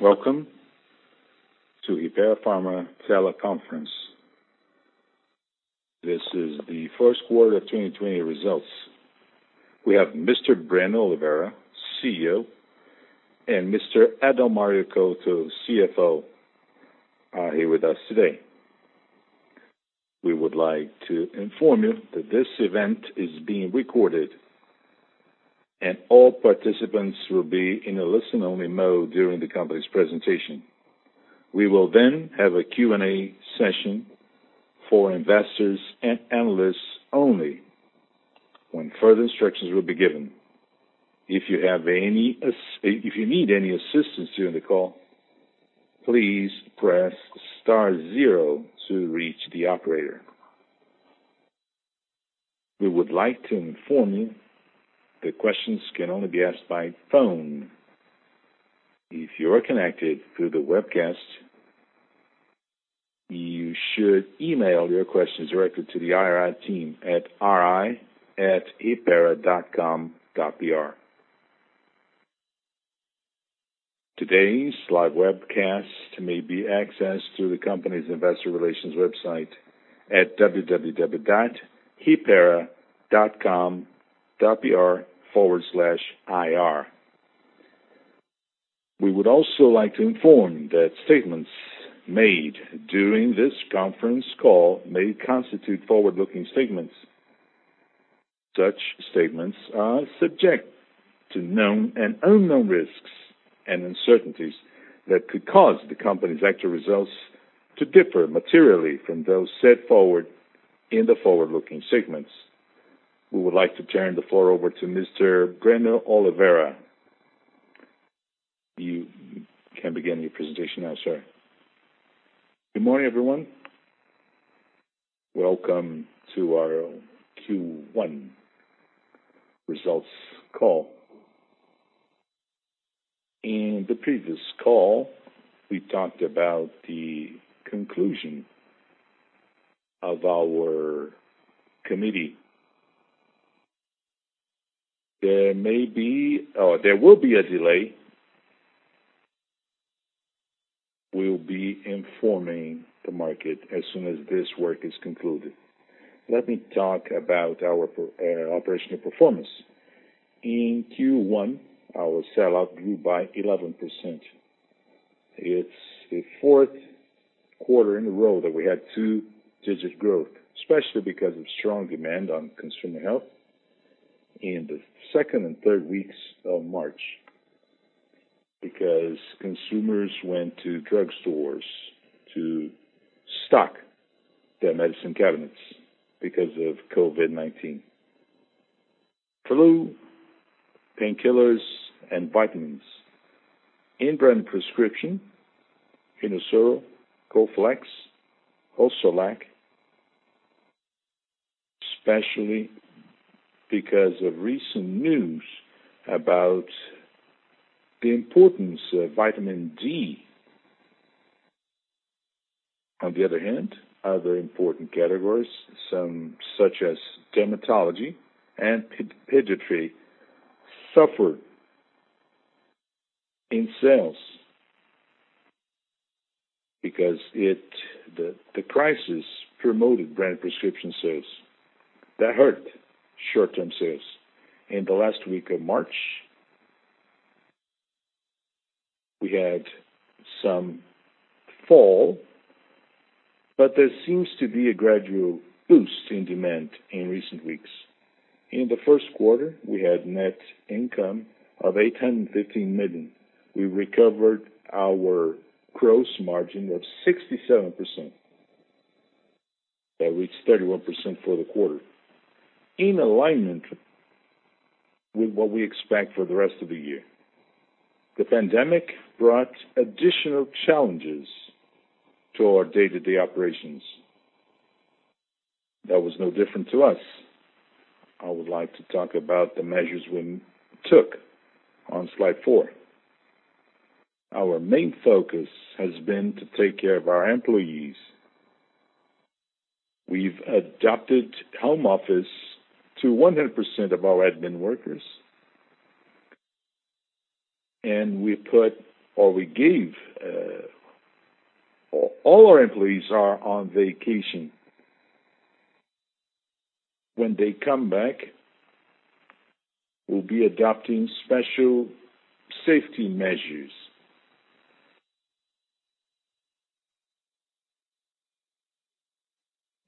Welcome to Hypera Pharma teleconference. This is the first quarter of 2020 results. We have Mr. Breno Oliveira, CEO, and Mr. Adalmario Mandelli, CFO, are here with us today. We would like to inform you that this event is being recorded, and all participants will be in a listen-only mode during the company's presentation. We will have a Q&A session for investors and analysts only when further instructions will be given. If you need any assistance during the call, please press star zero to reach the operator. We would like to inform you that questions can only be asked by phone. If you are connected through the webcast, you should email your questions directly to the RI team at ri@hypera.com.br. Today's live webcast may be accessed through the company's investor relations website at www.hypera.com.br/ir. We would also like to inform that statements made during this conference call may constitute forward-looking statements. Such statements are subject to known and unknown risks and uncertainties that could cause the company's actual results to differ materially from those set forward in the forward-looking statements. We would like to turn the floor over to Mr. Breno Oliveira. You can begin your presentation now, sir. Good morning, everyone. Welcome to our Q1 results call. In the previous call, we talked about the conclusion of our committee. There will be a delay. We will be informing the market as soon as this work is concluded. Let me talk about our operational performance. In Q1, our sell-out grew by 11%. It's the fourth quarter in a row that we had two-digit growth, especially because of strong demand on consumer health in the second and third weeks of March, because consumers went to drugstores to stock their medicine cabinets because of COVID-19. Flu, painkillers, and vitamins. In brand prescription, Rinosoro, Colflex, Oscal, especially because of recent news about the importance of Vitamin D. Other important categories, such as dermatology and pediatrics, suffered in sales because the crisis promoted brand prescription sales. That hurt short-term sales. In the last week of March, we had some fall, but there seems to be a gradual boost in demand in recent weeks. In the first quarter, we had net income of 815 million. We recovered our gross margin of 67%, that reached 31% for the quarter, in alignment with what we expect for the rest of the year. The pandemic brought additional challenges to our day-to-day operations. That was no different to us. I would like to talk about the measures we took on slide four. Our main focus has been to take care of our employees. We've adopted home office to 100% of our admin workers. All our employees are on vacation. When they come back, we'll be adopting special safety measures.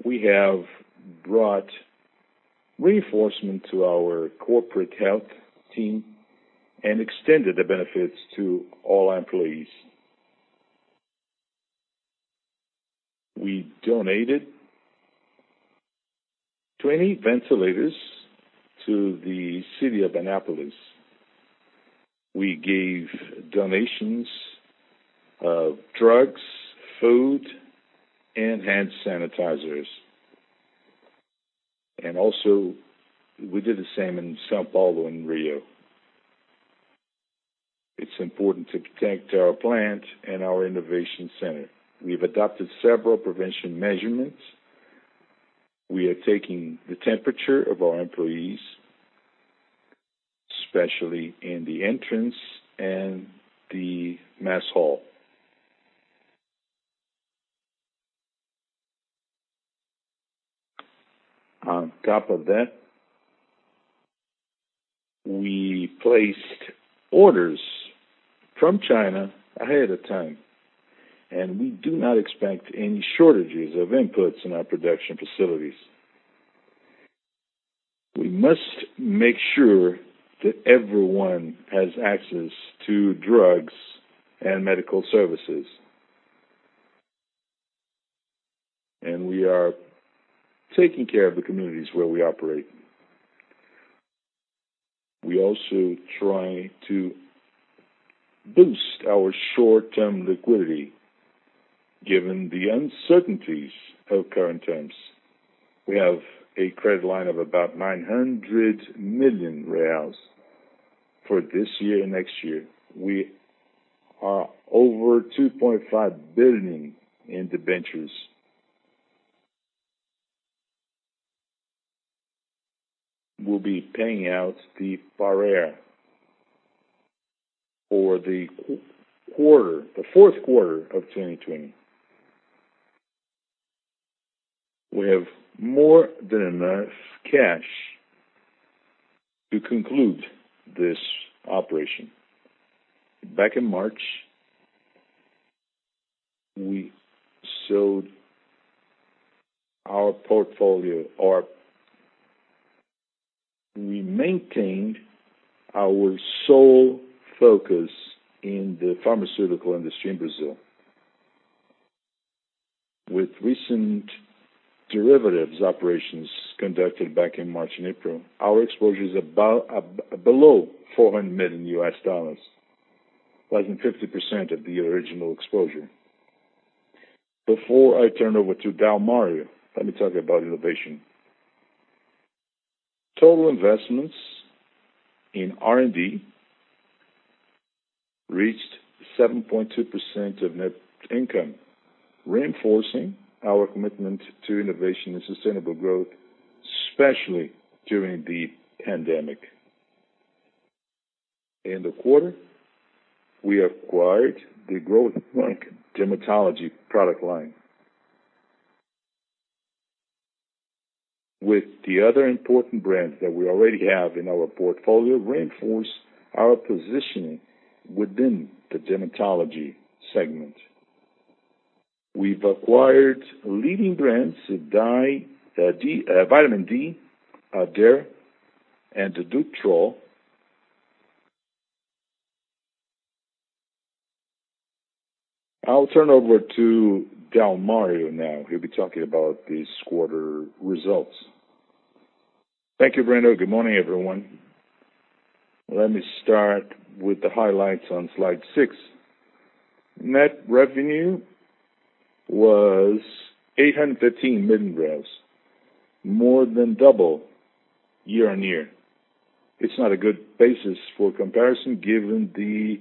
We have brought reinforcement to our corporate health team and extended the benefits to all our employees. We donated 20 ventilators to the city of Anápolis. We gave donations of drugs, food, and hand sanitizers. Also, we did the same in São Paulo and Rio. It's important to protect our plant and our innovation center. We've adopted several prevention measurements. We are taking the temperature of our employees, especially in the entrance and the mess hall. On top of that, we placed orders from China ahead of time, and we do not expect any shortages of inputs in our production facilities. We must make sure that everyone has access to drugs and medical services, and we are taking care of the communities where we operate. We also try to boost our short-term liquidity, given the uncertainties of current times. We have a credit line of about 900 million reais for this year and next year. We are over 2.5 billion in debentures. We'll be paying out the FARER for the fourth quarter of 2020. We have more than enough cash to conclude this operation. Back in March, we sold our portfolio, or we maintained our sole focus in the pharmaceutical industry in Brazil. With recent derivatives operations conducted back in March and April, our exposure is below $400 million, less than 50% of the original exposure. Before I turn over to Adalmario, let me talk about innovation. Total investments in R&D reached 7.2% of net income, reinforcing our commitment to innovation and sustainable growth, especially during the pandemic. In the quarter, we acquired the Glenmark dermatology product line. With the other important brands that we already have in our portfolio, reinforce our positioning within the dermatology segment. We've acquired leading brands, Vitamin D, Addera, and the Dutro. I'll turn over to Adalmario now. He'll be talking about this quarter results. Thank you, Breno. Good morning, everyone. Let me start with the highlights on slide six. Net revenue was 815 million, more than double year-over-year. It's not a good basis for comparison given the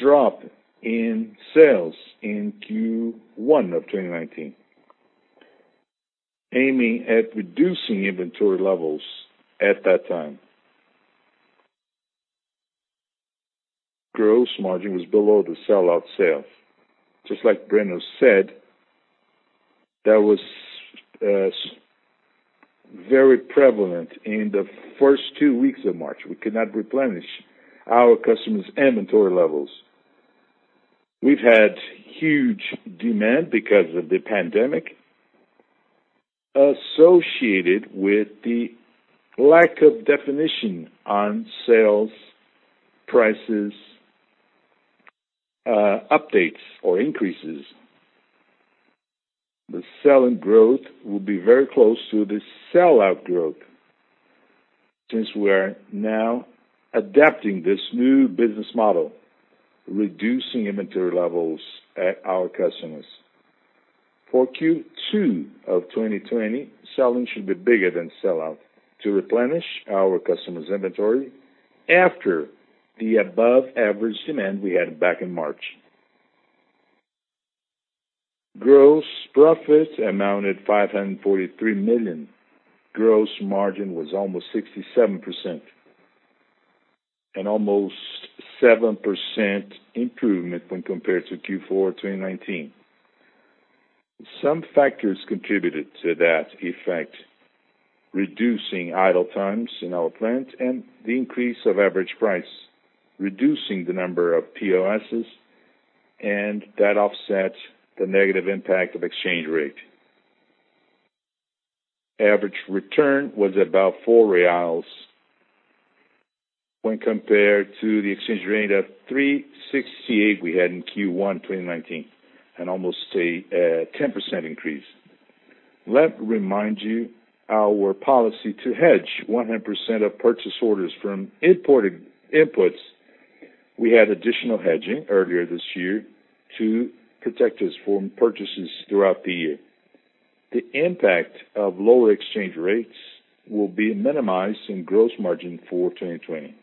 drop in sales in Q1 of 2019, aiming at reducing inventory levels at that time. Gross margin was below the sell-out sale. Just like Breno said, that was very prevalent in the first two weeks of March. We could not replenish our customers' inventory levels. We've had huge demand because of the pandemic associated with the lack of definition on sales, prices, updates, or increases. The sell-in growth will be very close to the sell-out growth since we are now adapting this new business model, reducing inventory levels at our customers. For Q2 of 2020, sell-in should be bigger than sell-out to replenish our customers' inventory after the above-average demand we had back in March. Gross profit amounted 543 million. Gross margin was almost 67%, an almost 7% improvement when compared to Q4 2019. Some factors contributed to that effect, reducing idle times in our plant and the increase of average price, reducing the number of POS, and that offset the negative impact of exchange rate. Average return was about 4 reais when compared to the exchange rate of 3.68 we had in Q1 2019, an almost a 10% increase. Let me remind you our policy to hedge 100% of purchase orders from imported inputs. We had additional hedging earlier this year to protect us from purchases throughout the year. The impact of lower exchange rates will be minimized in gross margin for 2020.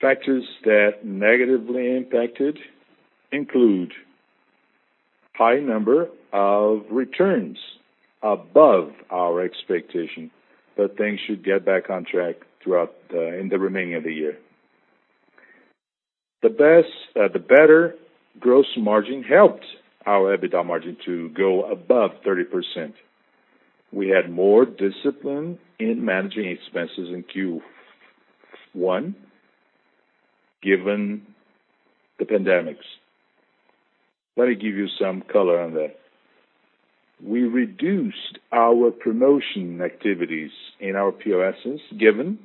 Factors that negatively impacted include high number of returns above our expectation, but things should get back on track in the remainder of the year. The better gross margin helped our EBITDA margin to go above 30%. We had more discipline in managing expenses in Q1, given the pandemic. Let me give you some color on that. We reduced our promotion activities in our POSs, given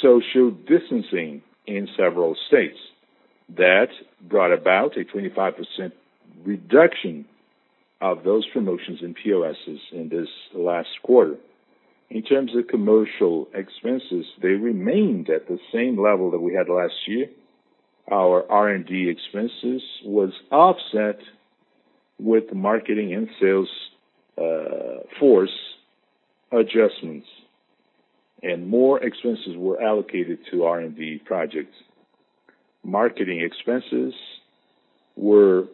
social distancing in several states. That brought about a 25% reduction of those promotions in POSs in this last quarter. In terms of commercial expenses, they remained at the same level that we had last year. Our R&D expenses was offset with marketing and sales force adjustments, and more expenses were allocated to R&D projects. Marketing expenses were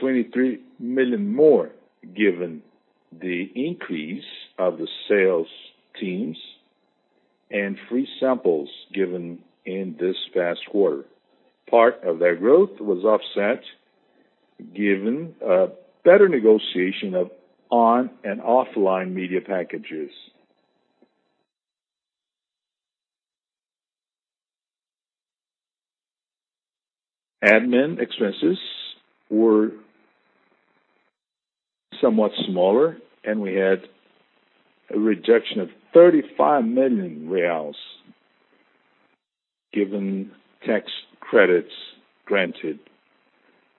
23 million more given the increase of the sales teams and free samples given in this past quarter. Part of that growth was offset given a better negotiation of on and offline media packages. Admin expenses were somewhat smaller, and we had a reduction of 35 million reais given tax credits granted.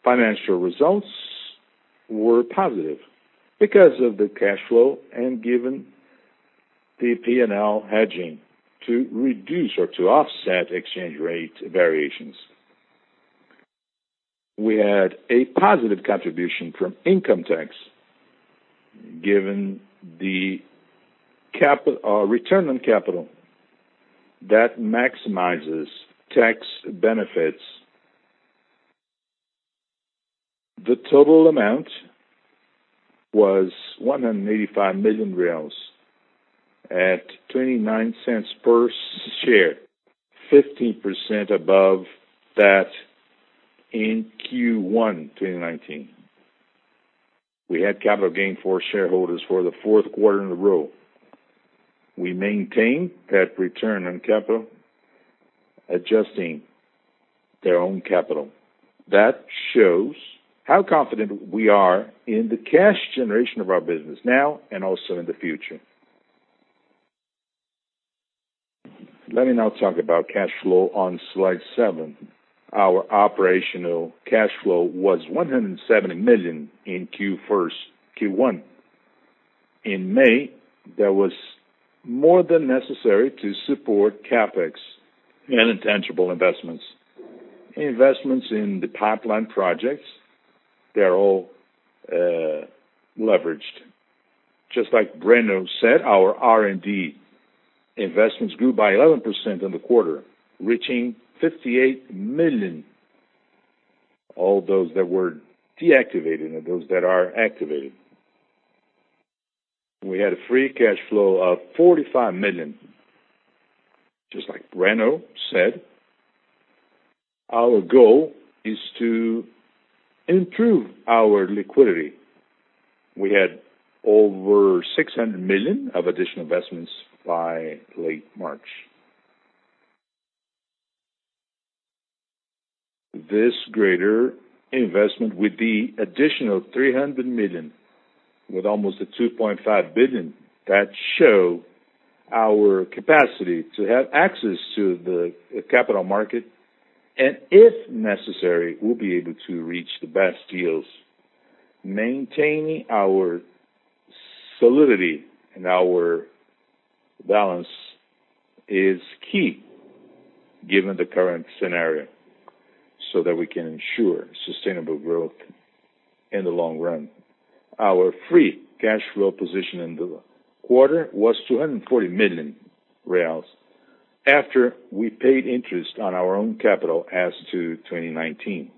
Financial results were positive because of the cash flow and given the P&L hedging to reduce or to offset exchange rate variations. We had a positive contribution from income tax, given the return on capital that maximizes tax benefits. The total amount was 185 million at 0.29 per share, 15% above that in Q1 2019. We had capital gain for shareholders for the fourth quarter in a row. We maintain that return on capital, adjusting their own capital. That shows how confident we are in the cash generation of our business now and also in the future. Let me now talk about cash flow on slide seven. Our operational cash flow was 170 million in Q1. In May, that was more than necessary to support CapEx and intangible investments. Investments in the pipeline projects, they are all leveraged. Just like Breno said, our R&D investments grew by 11% in the quarter, reaching 58 million. All those that were deactivated and those that are activated. We had a free cash flow of 45 million. Just like Breno said, our goal is to improve our liquidity. We had over 600 million of additional investments by late March. This greater investment, with the additional 300 million, with almost a 2.5 billion, that show our capacity to have access to the capital market, and if necessary, we'll be able to reach the best deals. Maintaining our solidity and our balance is key given the current scenario, so that we can ensure sustainable growth in the long run. Our free cash flow position in the quarter was 240 million reais after we paid interest on our own capital as to 2019.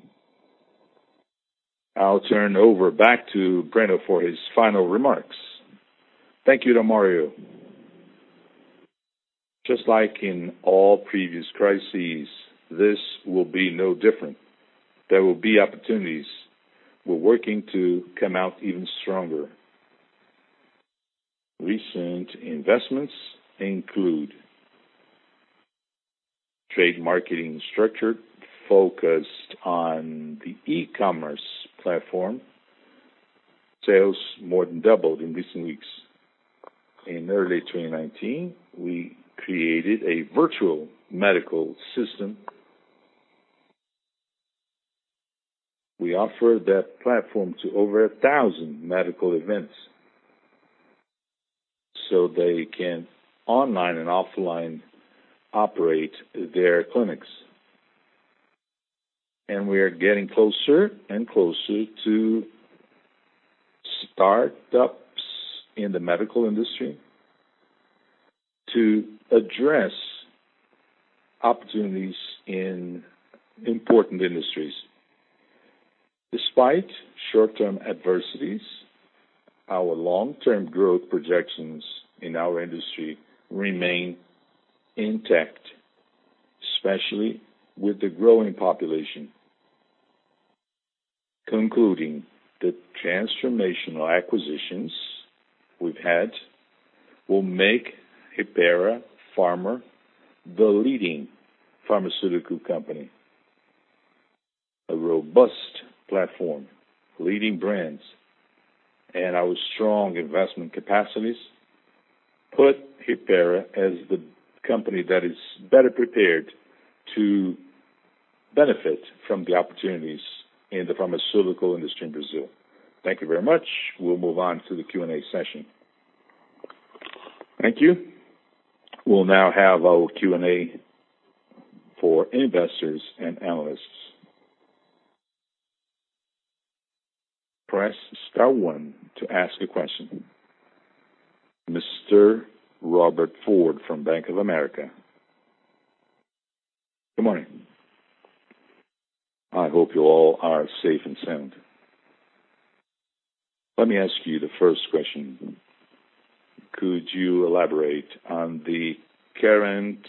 I'll turn over back to Breno for his final remarks. Thank you, Adalmario. Just like in all previous crises, this will be no different. There will be opportunities. We're working to come out even stronger. Recent investments include trade marketing structure focused on the e-commerce platform. Sales more than doubled in recent weeks. In early 2019, we created a virtual medical system. We offered that platform to over 1,000 medical events. They can online and offline operate their clinics. We are getting closer and closer to startups in the medical industry to address opportunities in important industries. Despite short-term adversities, our long-term growth projections in our industry remain intact, especially with the growing population. Concluding, the transformational acquisitions we've had will make Hypera Pharma the leading pharmaceutical company. A robust platform, leading brands, and our strong investment capacities put Hypera as the company that is better prepared to benefit from the opportunities in the pharmaceutical industry in Brazil. Thank you very much. We'll move on to the Q&A session. Thank you. We'll now have our Q&A for investors and analysts. Press star one to ask a question. Mr. Robert Ford from Bank of America. Good morning. I hope you all are safe and sound. Let me ask you the first question. Could you elaborate on the current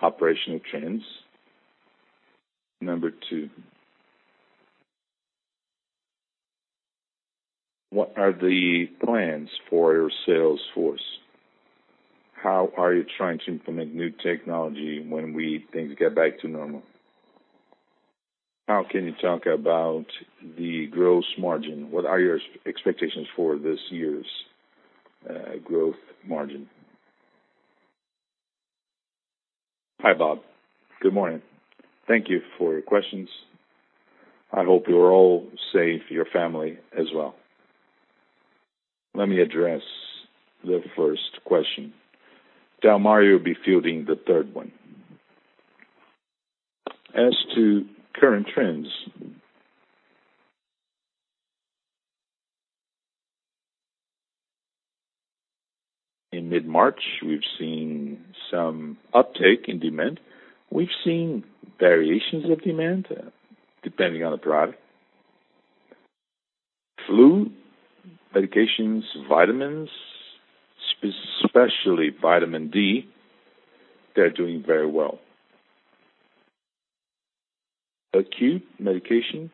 operational trends? Number two, what are the plans for your sales force? How are you trying to implement new technology when things get back to normal? How can you talk about the gross margin? What are your expectations for this year's growth margin? Hi, Bob. Good morning. Thank you for your questions. I hope you are all safe, your family as well. Let me address the first question. Adalmario will be fielding the third one. As to current trends, in mid-March, we've seen some uptake in demand. We've seen variations of demand, depending on the product. Flu medications, vitamins, especially Vitamin D, they're doing very well. Acute medication,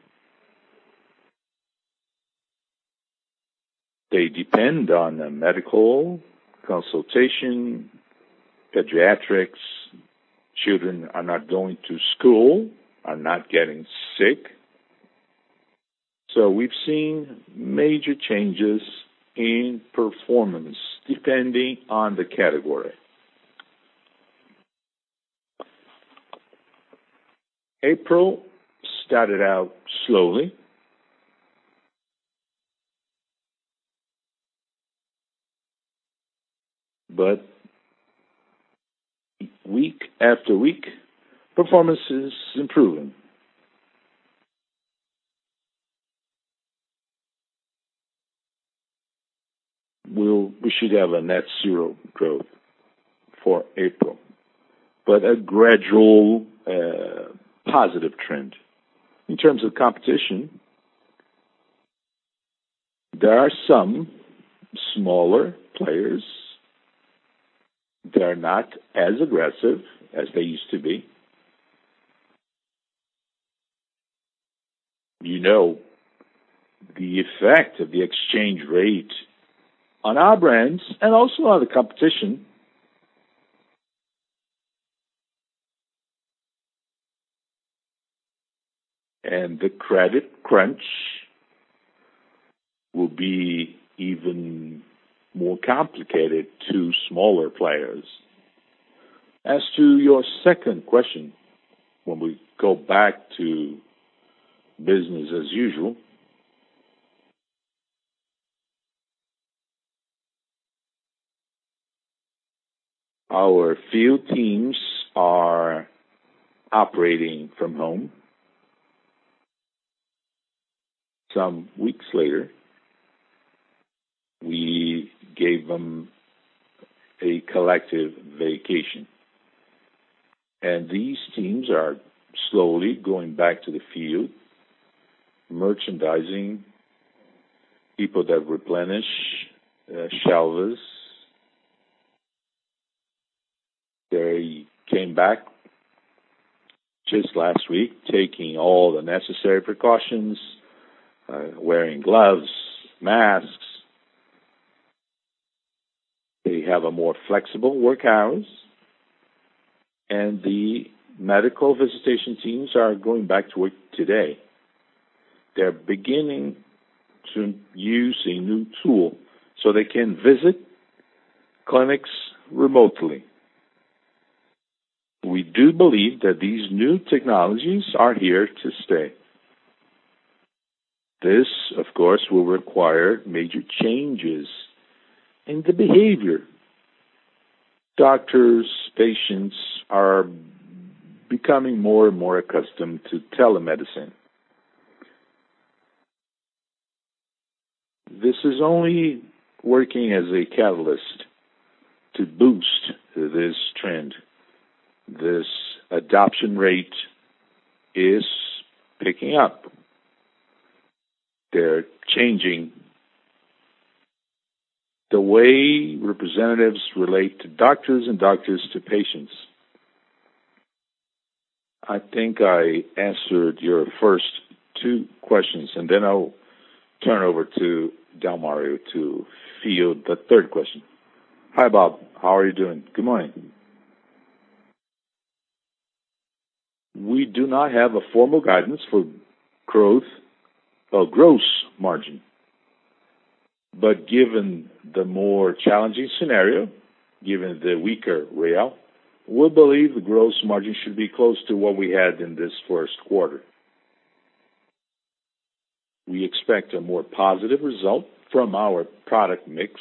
they depend on a medical consultation. Pediatrics, children are not going to school, are not getting sick. We've seen major changes in performance depending on the category. April started out slowly, but week after week, performance is improving. We should have a net zero growth for April, but a gradual positive trend. In terms of competition, there are some smaller players. They are not as aggressive as they used to be. You know the effect of the exchange rate on our brands and also on the competition. The credit crunch will be even more complicated to smaller players. As to your second question, when we go back to business as usual, our field teams are operating from home. Some weeks later, we gave them a collective vacation, and these teams are slowly going back to the field, merchandising, people that replenish shelves. They came back just last week, taking all the necessary precautions, wearing gloves, masks. They have a more flexible work hours, and the medical visitation teams are going back to work today. They're beginning to use a new tool so they can visit clinics remotely. We do believe that these new technologies are here to stay. This, of course, will require major changes in the behavior. Doctors, patients are becoming more and more accustomed to telemedicine. This is only working as a catalyst to boost this trend. This adoption rate is picking up. They're changing the way representatives relate to doctors and doctors to patients. I think I answered your first two questions, and then I'll turn over to Adalmario to field the third question. Hi, Bob. How are you doing? Good morning. We do not have a formal guidance for growth or gross margin. Given the more challenging scenario, given the weaker BRL, we believe the gross margin should be close to what we had in this first quarter. We expect a more positive result from our product mix,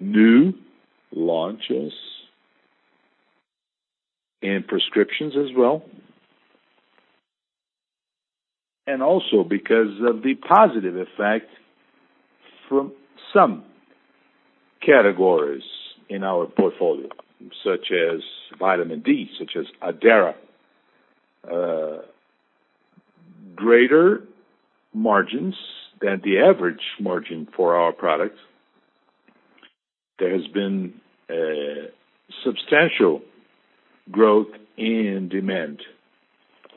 new launches, and prescriptions as well, and also because of the positive effect from some categories in our portfolio, such as Vitamin D, such as Addera. Greater margins than the average margin for our products. There has been a substantial growth in demand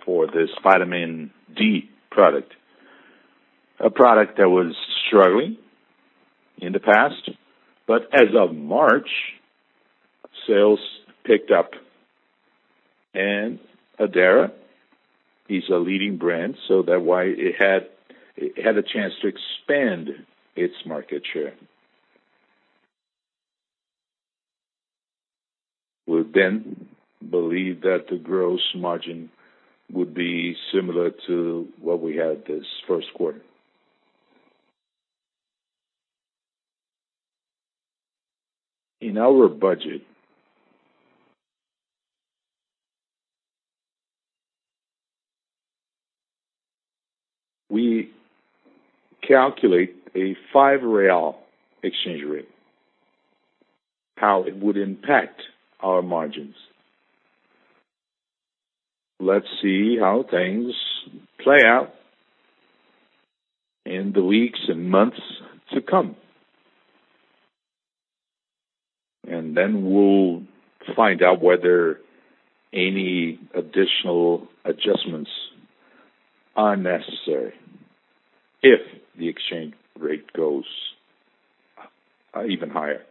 for this Vitamin D product. A product that was struggling in the past, but as of March, sales picked up, and Addera is a leading brand, so that's why it had a chance to expand its market share. We believe that the gross margin would be similar to what we had this first quarter. In our budget, we calculate a 5 real exchange rate, how it would impact our margins. Let's see how things play out in the weeks and months to come. We'll find out whether any additional adjustments are necessary if the exchange rate goes even higher.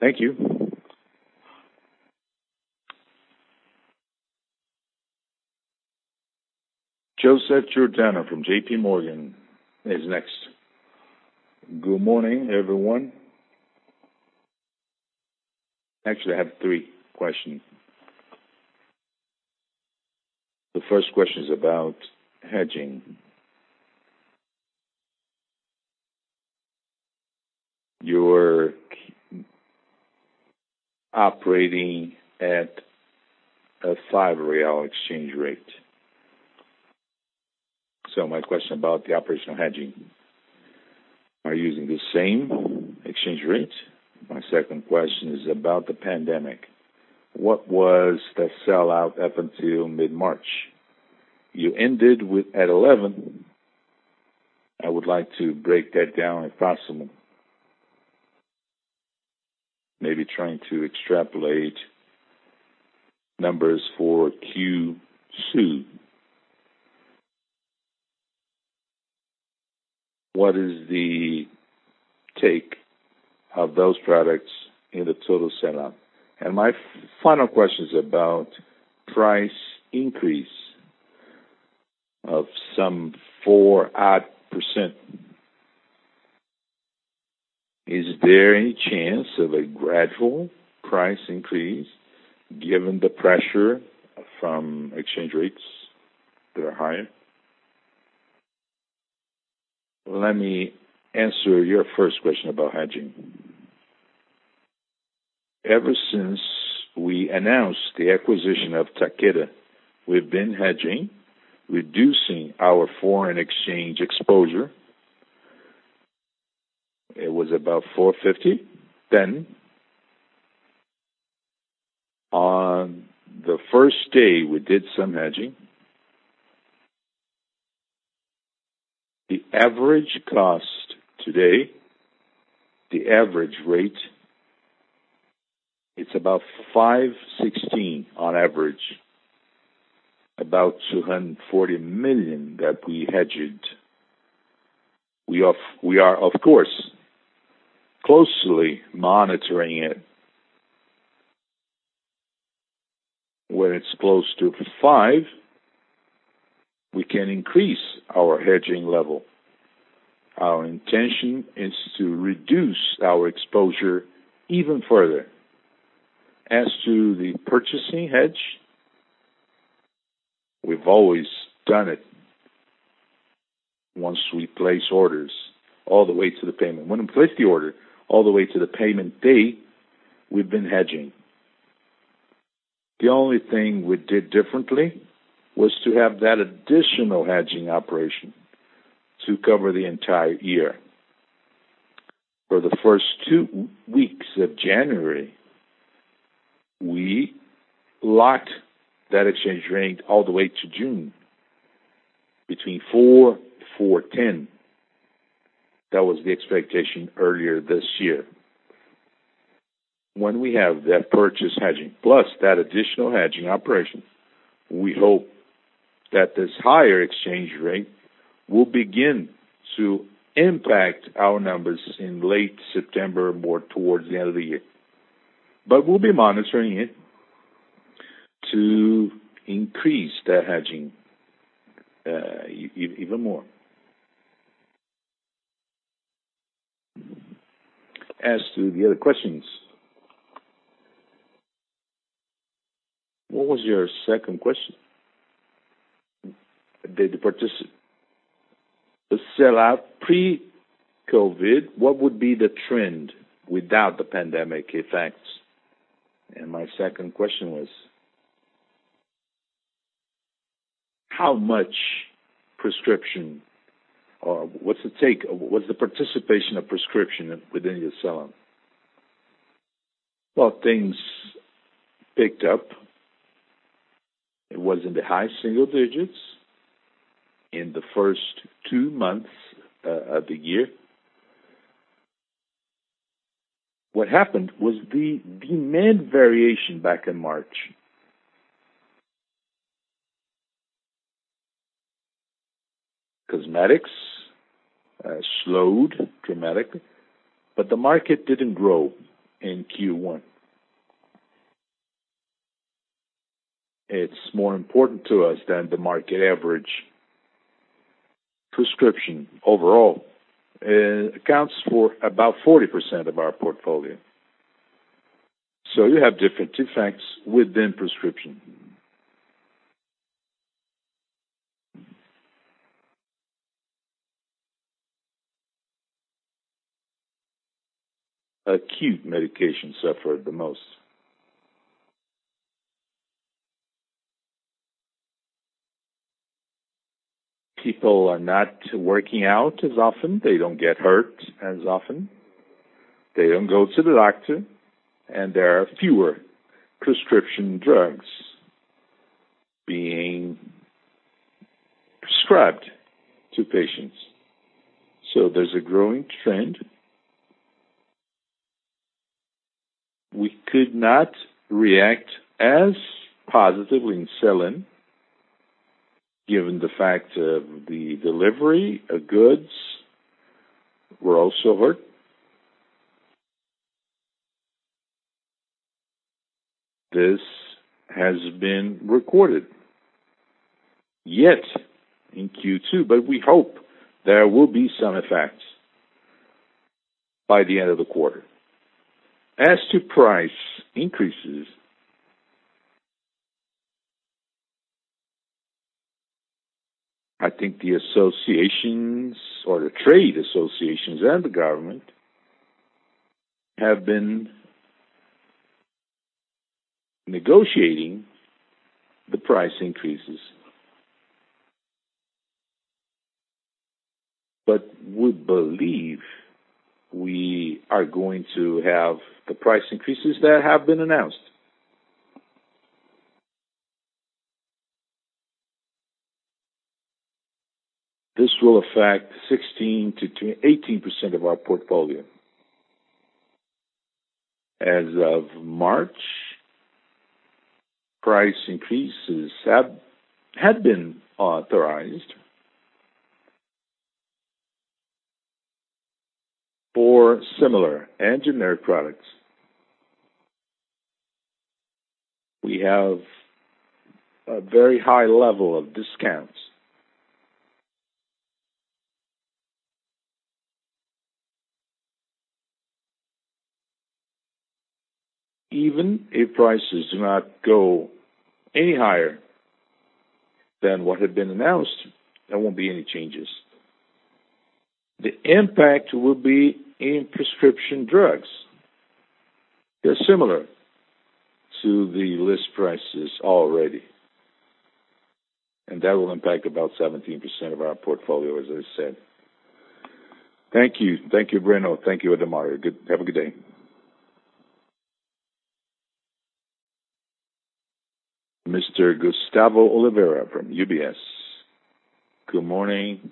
Thank you. Joseph Giordano from JPMorgan is next. Good morning, everyone. Actually, I have three questions. The first question is about hedging. You're operating at a 5 real exchange rate. My question about the operational hedging, are you using the same exchange rate? My second question is about the pandemic. What was the sell-out up until mid-March? You ended with at 11. I would like to break that down if possible. Maybe trying to extrapolate numbers for Q2. What is the take of those products in the total sell-out? My final question is about price increase of some 4% odd. Is there any chance of a gradual price increase given the pressure from exchange rates that are higher? Let me answer your first question about hedging. Ever since we announced the acquisition of Takeda, we've been hedging, reducing our foreign exchange exposure. It was about 450 then. On the first day, we did some hedging. The average cost today, the average rate, it's about 516 on average. About 240 million that we hedged. We are, of course, closely monitoring it. When it's close to 5, we can increase our hedging level. Our intention is to reduce our exposure even further. As to the purchasing hedge, we've always done it once we place orders all the way to the payment. When we place the order all the way to the payment date, we've been hedging. The only thing we did differently was to have that additional hedging operation to cover the entire year. For the first two weeks of January, we locked that exchange rate all the way to June, between 4-4.10. That was the expectation earlier this year. When we have that purchase hedging, plus that additional hedging operation, we hope that this higher exchange rate will begin to impact our numbers in late September, more towards the end of the year. We'll be monitoring it to increase that hedging even more. As to the other questions, what was your second question? The sell-out pre-COVID-19, what would be the trend without the pandemic effects? My second question was, how much prescription, or what's the participation of prescription within your selling? Well, things picked up. It was in the high single digits in the first two months of the year. What happened was the demand variation back in March. Cosmetics slowed dramatically, the market didn't grow in Q1. It's more important to us than the market average. Prescription overall accounts for about 40% of our portfolio. You have different effects within prescription. Acute medication suffered the most. People are not working out as often. They don't get hurt as often. They don't go to the doctor, and there are fewer prescription drugs being prescribed to patients. There's a growing trend. We could not react as positively in selling, given the fact of the delivery of goods were also hurt. This has been recorded yet in Q2, we hope there will be some effects by the end of the quarter. As to price increases, I think the associations or the trade associations and the government have been negotiating the price increases. We believe we are going to have the price increases that have been announced. This will affect 16%-18% of our portfolio. As of March, price increases had been authorized for similar and generic products. We have a very high level of discounts. Even if prices do not go any higher than what had been announced, there won't be any changes. The impact will be in prescription drugs. They're similar to the list prices already, and that will impact about 17% of our portfolio, as I said. Thank you. Thank you, Breno. Thank you, Adalmario. Have a good day. Mr. Gustavo Oliveira from UBS. Good morning.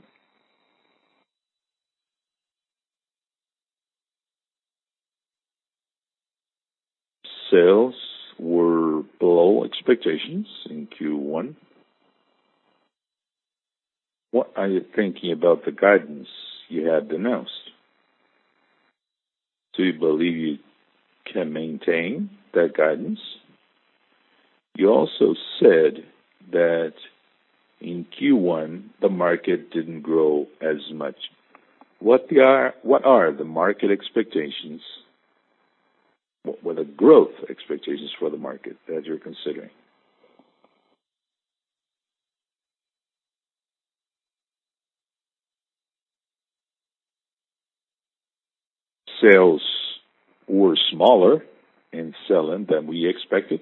Sales were below expectations in Q1. What are you thinking about the guidance you had announced? Do you believe you can maintain that guidance? You also said that in Q1, the market didn't grow as much. What are the market expectations? What were the growth expectations for the market as you're considering? Sales were smaller in sell-in than we expected.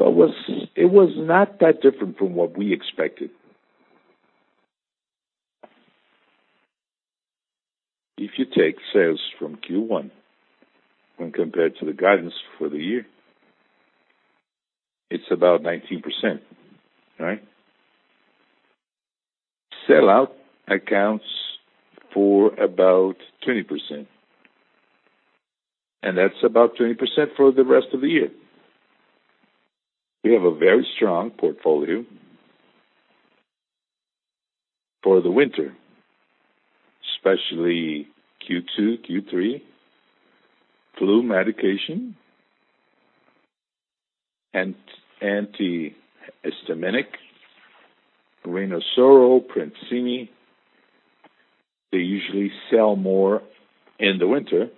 It was not that different from what we expected. If you take sales from Q1 when compared to the guidance for the year, it's about 19%, right? Sell-out accounts for about 20%. That's about 20% for the rest of the year. We have a very strong portfolio for the winter, especially Q2, Q3, flu medication, and antihistaminic, Rinosoro, Princini. They usually sell more in the winter.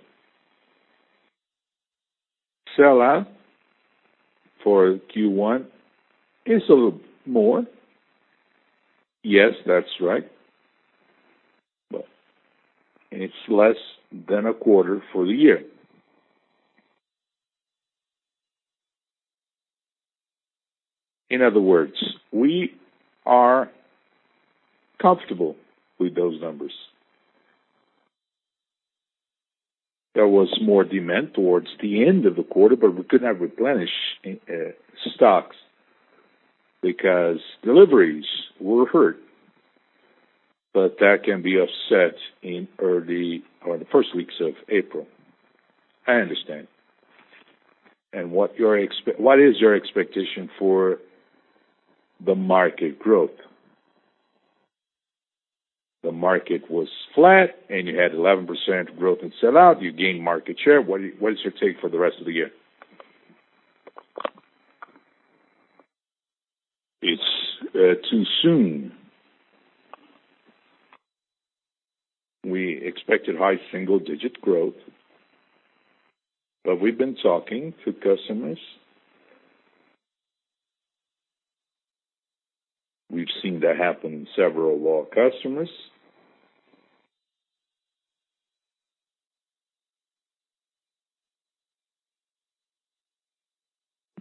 Sell-out for Q1 is a little more? Yes, that's right. It's less than a quarter for the year. In other words, we are comfortable with those numbers. There was more demand towards the end of the quarter. We could not replenish stocks because deliveries were hurt. That can be offset in the first weeks of April. I understand. What is your expectation for the market growth? The market was flat, and you had 11% growth in sell-out. You gained market share. What is your take for the rest of the year? It's too soon. We expected high single-digit growth, but we've been talking to customers. We've seen that happen in several of our customers.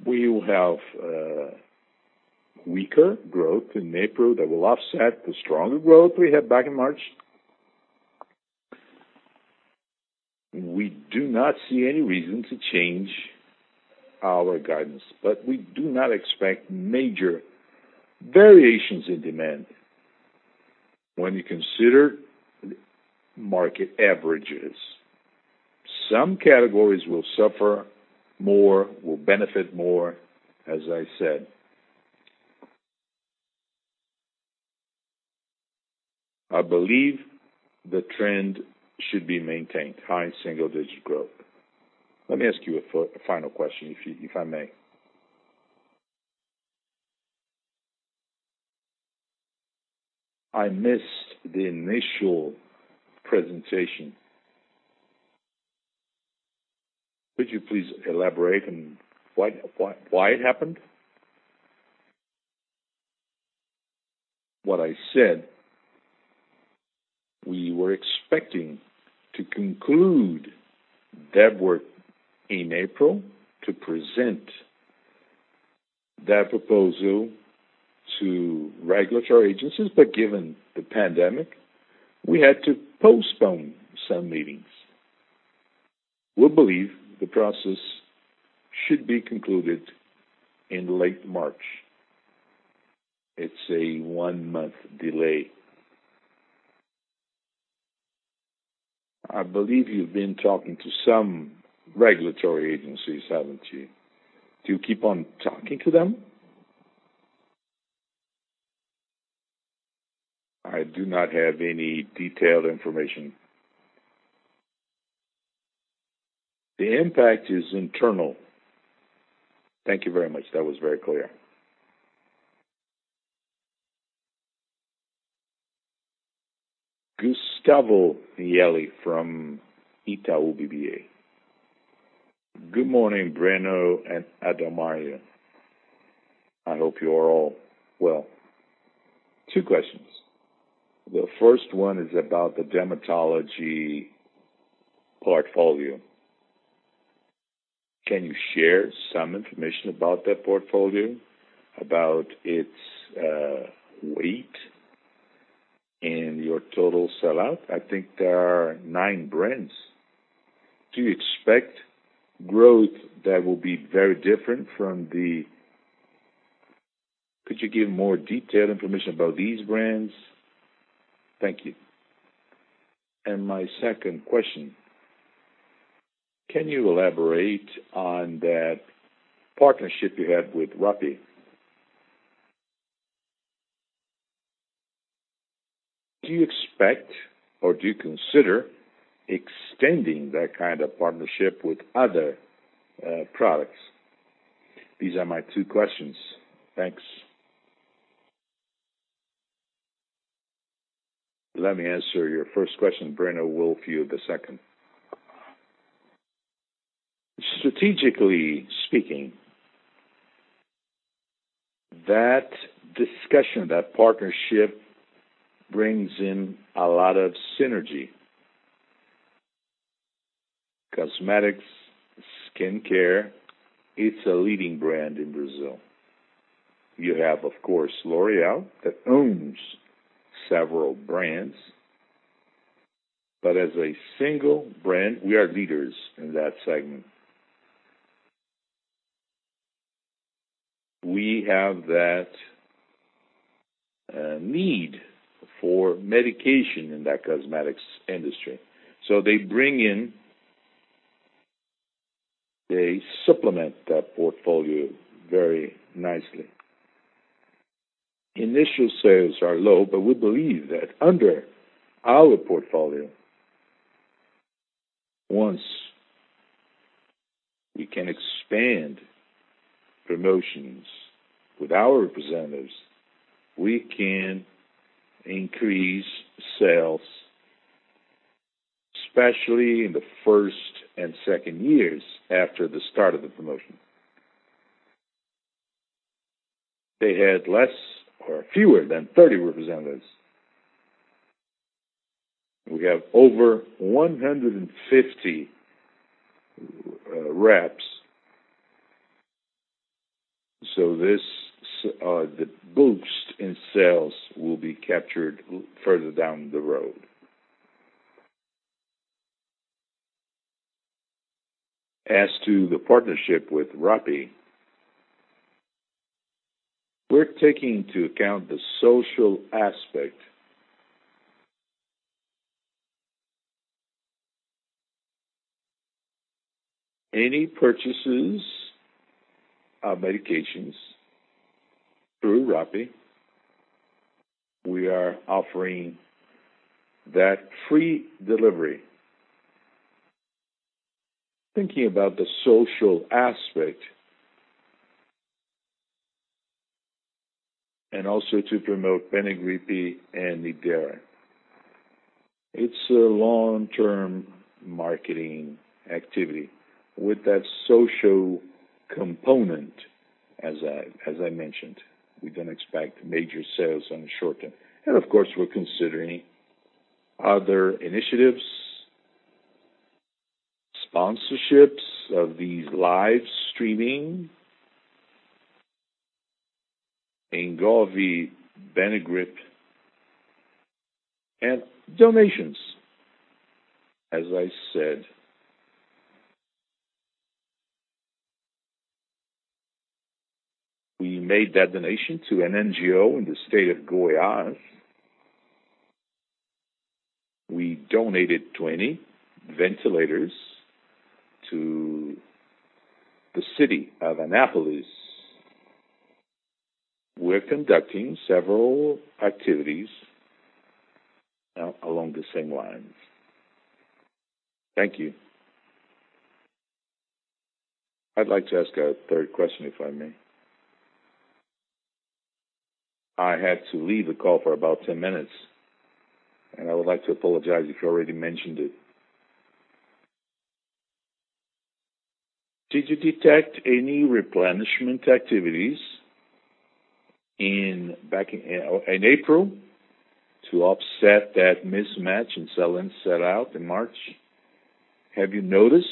We will have weaker growth in April that will offset the stronger growth we had back in March. We do not see any reason to change our guidance, but we do not expect major variations in demand. When you consider market averages, some categories will suffer more, will benefit more, as I said. I believe the trend should be maintained, high single-digit growth. Let me ask you a final question, if I may. I missed the initial presentation. Could you please elaborate on why it happened? What I said, we were expecting to conclude that work in April to present that proposal to regulatory agencies. Given the pandemic, we had to postpone some meetings. We believe the process should be concluded in late March. It's a one-month delay. I believe you've been talking to some regulatory agencies, haven't you? Do you keep on talking to them? I do not have any detailed information. The impact is internal. Thank you very much. That was very clear. Gustavo Miele from Itaú BBA. Good morning, Breno and Adalmario. I hope you are all well. Two questions. The first one is about the dermatology portfolio. Can you share some information about that portfolio, about its weight, and your total sell-out? I think there are nine brands. Do you expect growth that will be very different? Could you give more detailed information about these brands? Thank you. My second question, can you elaborate on that partnership you had with Rappi? Do you expect or do you consider extending that kind of partnership with other products? These are my two questions. Thanks. Let me answer your first question, Breno. We'll view the second. Strategically speaking, that discussion, that partnership brings in a lot of synergy. Cosmetics, skincare, it's a leading brand in Brazil. You have, of course, L'Oréal that owns several brands. As a single brand, we are leaders in that segment. We have that need for medication in that cosmetics industry. They supplement that portfolio very nicely. Initial sales are low, but we believe that under our portfolio, once we can expand promotions with our representatives, we can increase sales, especially in the first and second years after the start of the promotion. They had less or fewer than 30 representatives. We have over 150 reps. The boost in sales will be captured further down the road. As to the partnership with Rappi, we're taking into account the social aspect. Any purchases of medications through Rappi, we are offering that free delivery. Thinking about the social aspect, and also to promote Benegrip and Addera. It's a long-term marketing activity with that social component, as I mentioned. We don't expect major sales in the short term. Of course, we're considering other initiatives, sponsorships of these live streaming. Engov Benegrip, and donations. As I said, we made that donation to an NGO in the state of Goiás. We donated 20 ventilators to the city of Anápolis. We're conducting several activities along the same lines. Thank you. I'd like to ask a third question, if I may. I had to leave the call for about 10 minutes, and I would like to apologize if you already mentioned it. Did you detect any replenishment activities back in April to offset that mismatch in sell-in, sell-out in March? Have you noticed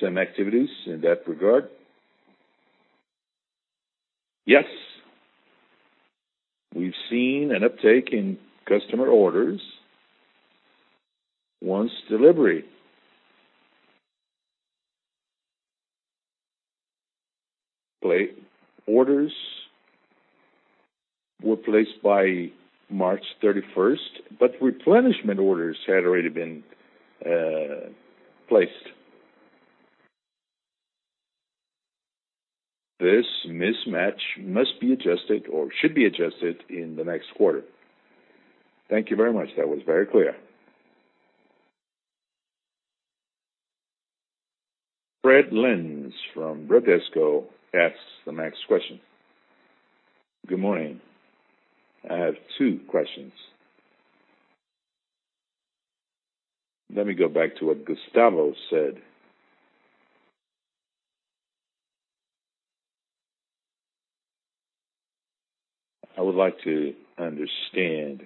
some activities in that regard? Yes. We've seen an uptake in customer orders once delivered. Orders were placed by March 31st, but replenishment orders had already been placed. This mismatch must be adjusted or should be adjusted in the next quarter. Thank you very much. That was very clear. Fred Lins from Bradesco asks the next question. Good morning. I have two questions. Let me go back to what Gustavo said. I would like to understand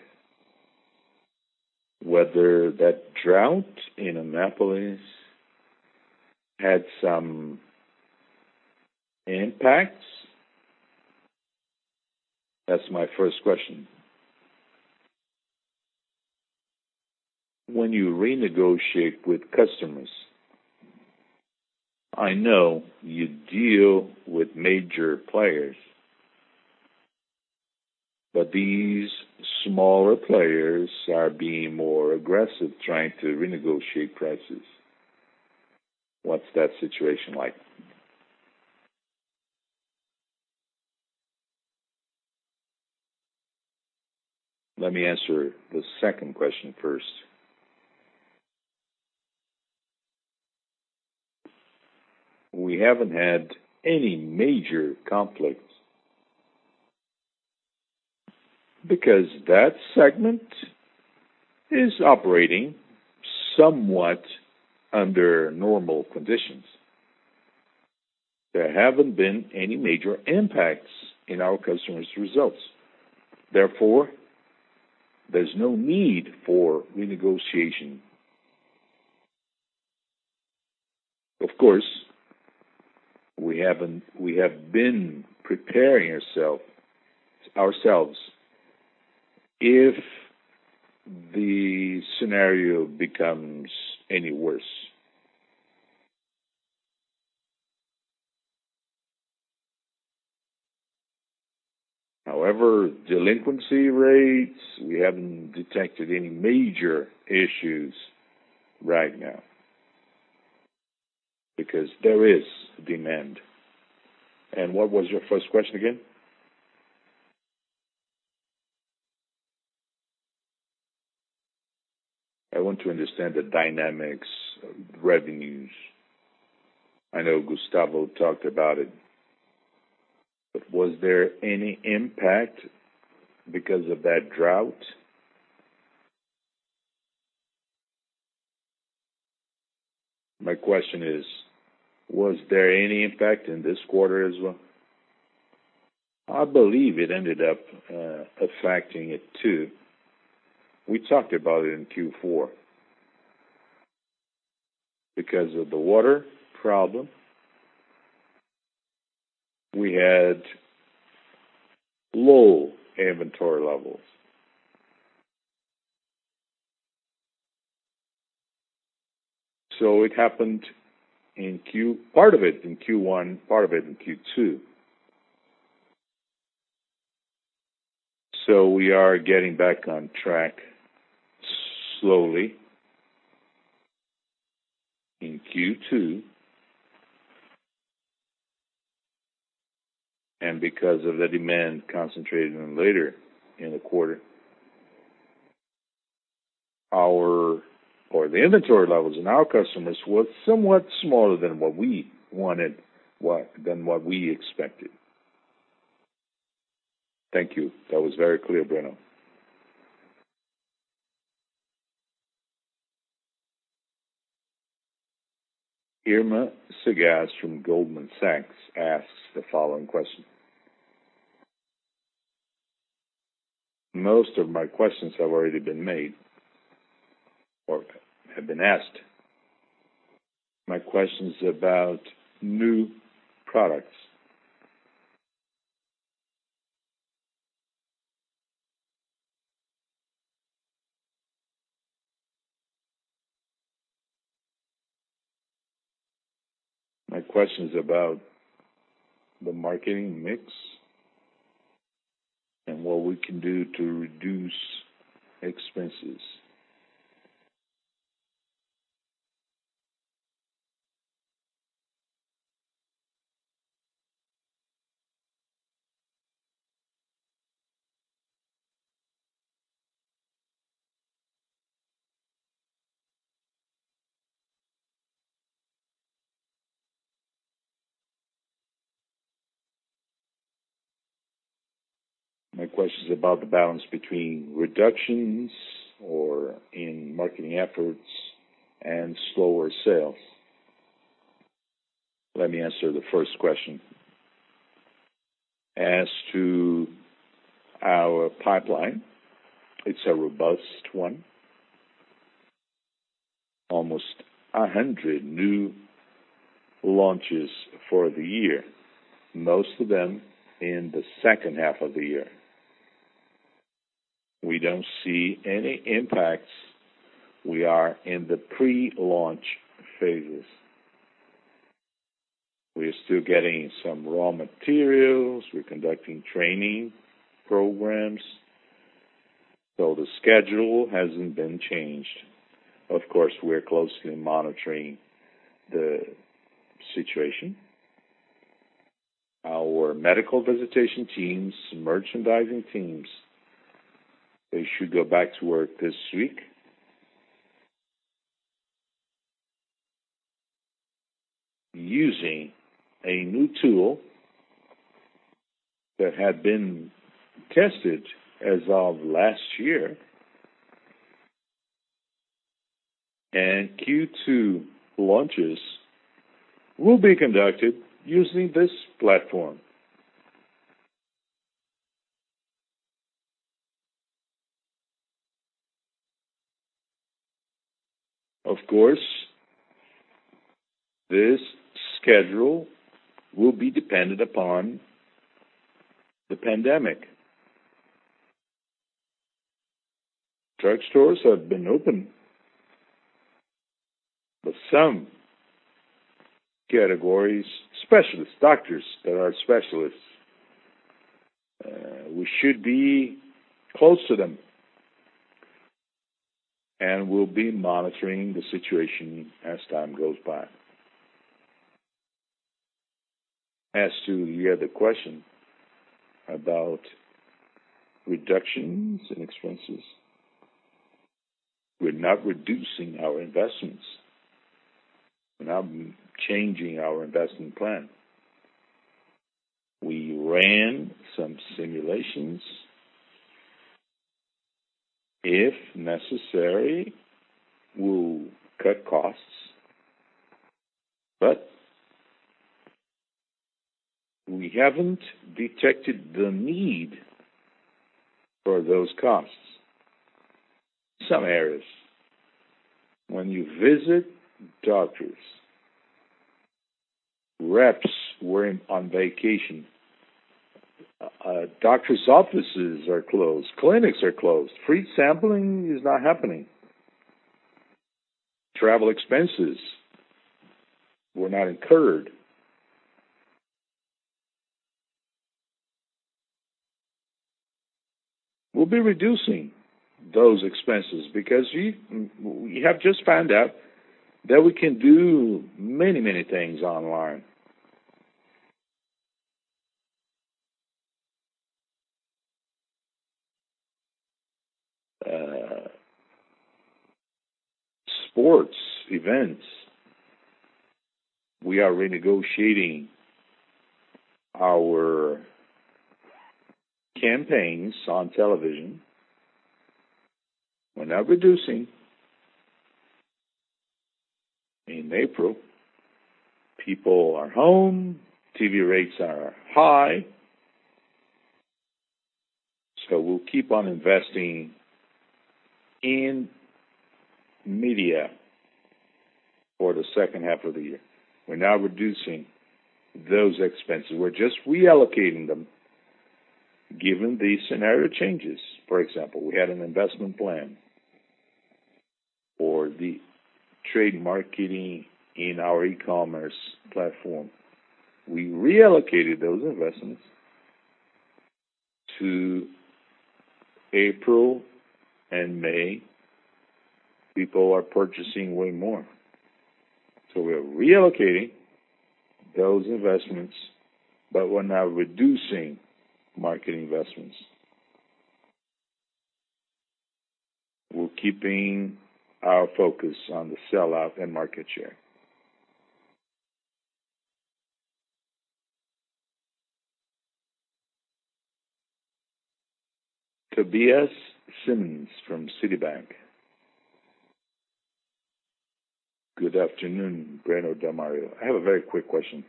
whether that drought in Anápolis had some impacts. That's my first question. When you renegotiate with customers, I know you deal with major players, but these smaller players are being more aggressive trying to renegotiate prices. What's that situation like? Let me answer the second question first. We haven't had any major conflicts, because that segment is operating somewhat under normal conditions. There haven't been any major impacts in our customers' results. Therefore, there's no need for renegotiation. Of course, we have been preparing ourselves if the scenario becomes any worse. However, delinquency rates, we haven't detected any major issues right now, because there is demand. What was your first question again? I want to understand the dynamics of revenues. I know Gustavo talked about it, but was there any impact because of that drought? My question is, was there any impact in this quarter as well? I believe it ended up affecting it too. We talked about it in Q4. Because of the water problem, we had low inventory levels. It happened part of it in Q1, part of it in Q2. We are getting back on track slowly in Q2. Because of the demand concentrated in later in the quarter, the inventory levels in our customers was somewhat smaller than what we expected. Thank you. That was very clear, Breno. Irma Sgarz from Goldman Sachs asks the following question. Most of my questions have already been made or have been asked. My question's about new products. My question's about the marketing mix and what we can do to reduce expenses. My question's about the balance between reductions or in marketing efforts and slower sales. Let me answer the first question. As to our pipeline, it's a robust one. Almost 100 new launches for the year, most of them in the second half of the year. We don't see any impacts. We are in the pre-launch phases. We are still getting some raw materials. We're conducting training programs. The schedule hasn't been changed. Of course, we're closely monitoring the situation. Our medical visitation teams, merchandising teams, they should go back to work this week using a new tool that had been tested as of last year. Q2 launches will be conducted using this platform. Of course, this schedule will be dependent upon the pandemic. Drug stores have been open, but some categories, specialists, doctors that are specialists, we should be close to them. We'll be monitoring the situation as time goes by. As to your other question about reductions in expenses, we're not reducing our investments. We're not changing our investment plan. We ran some simulations. If necessary, we'll cut costs, but we haven't detected the need for those cuts. Some areas, when you visit doctors, reps were on vacation, doctors' offices are closed, clinics are closed, free sampling is not happening. Travel expenses were not incurred. We'll be reducing those expenses because we have just found out that we can do many things online. Sports events. We are renegotiating our campaigns on television. We're not reducing. In April, people are home, TV rates are high. We'll keep on investing in media for the second half of the year. We're not reducing those expenses. We're just reallocating them given the scenario changes. For example, we had an investment plan for the trade marketing in our e-commerce platform. We reallocated those investments to April and May. People are purchasing way more. We are reallocating those investments, but we're not reducing marketing investments. We're keeping our focus on the sell-out and market share. Tobias Stingelin from Citibank. Good afternoon, Breno, Adalmario. I have a very quick question.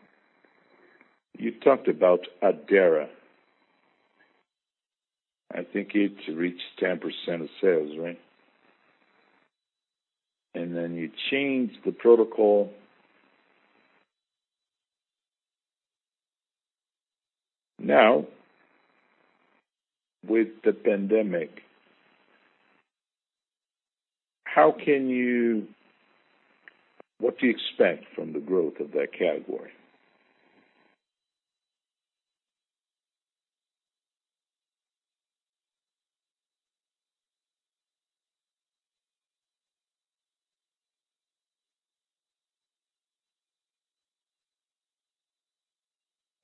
You talked about Addera. I think it reached 10% of sales, right? You changed the protocol. Now, with the pandemic, what do you expect from the growth of that category?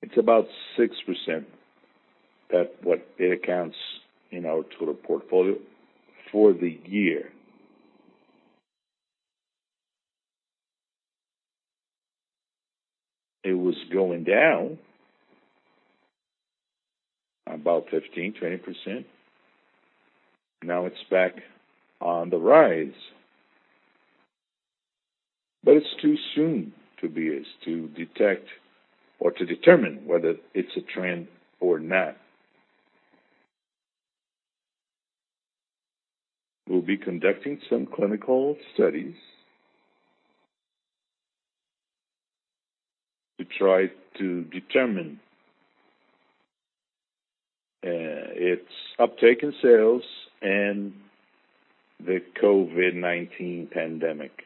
It's about 6%. That's what it accounts in our total portfolio for the year. It was going down about 15%-20%. Now it's back on the rise. It's too soon, Tobias, to detect or to determine whether it's a trend or not. We'll be conducting some clinical studies to try to determine its uptake in sales and the COVID-19 pandemic.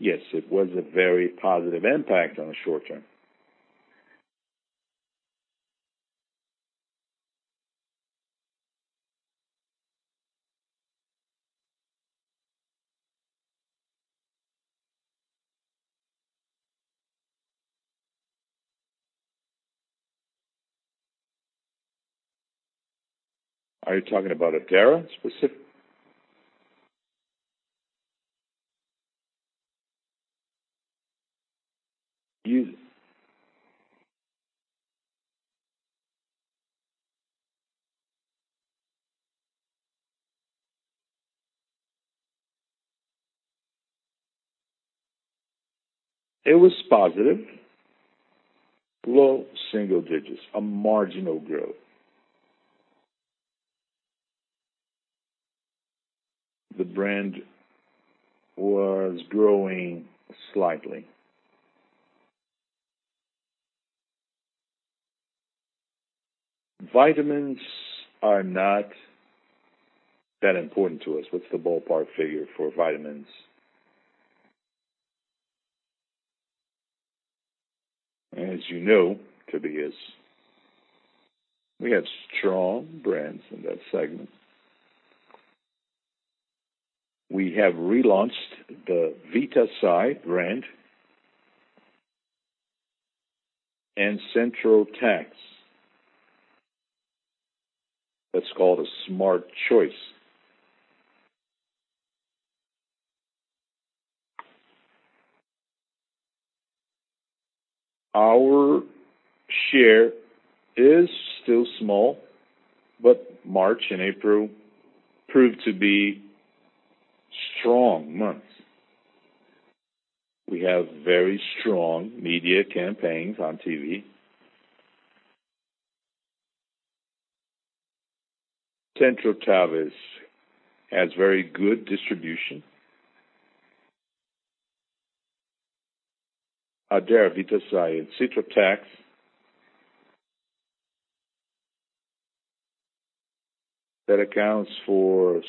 Yes, it was a very positive impact on the short term. Are you talking about Addera specifically? Users. It was positive. Low single digits, a marginal growth. The brand was growing slightly. Vitamins are not that important to us. What's the ballpark figure for vitamins. As you know, Tobias, we have strong brands in that segment. We have relaunched the Vitasay brand and Centrotabs. That's called a smart choice. Our share is still small. March and April proved to be strong months. We have very strong media campaigns on TV. Centrotabs has very good distribution. Addera, Vitasay, and Centrotabs. That accounts for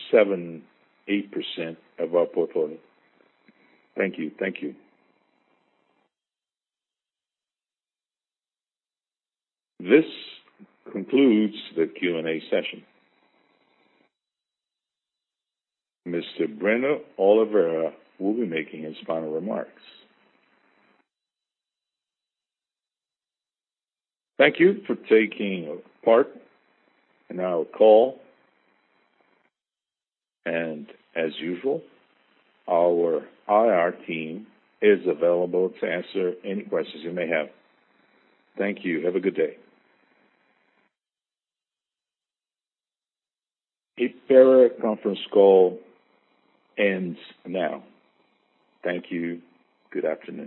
78% of our portfolio. Thank you. This concludes the Q&A session. Mr. Breno Oliveira will be making his final remarks. Thank you for taking part in our call. As usual, our IR team is available to answer any questions you may have. Thank you. Have a good day. Hypera conference call ends now. Thank you. Good afternoon.